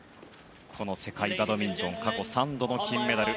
世界バドミントン過去３度の金メダル